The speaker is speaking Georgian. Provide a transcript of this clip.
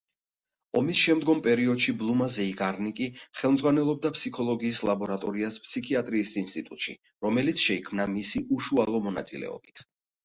ომისშემდგომ პერიოდში ბლუმა ზეიგარნიკი ხელმძღვანელობდა ფსიქოლოგიის ლაბორატორიას ფსიქიატრიის ინსტიტუტში, რომელიც შეიქმნა მისი უშუალო მონაწილეობით.